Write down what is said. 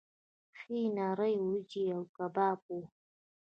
ښې نرۍ وریجې او کباب وو.